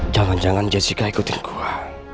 jangan jangan jessica ikutin kuat